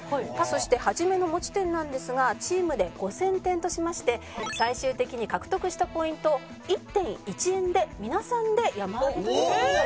そして初めの持ち点なんですがチームで５０００点としまして最終的に獲得したポイントを１点１円で皆さんで山分けという事になります。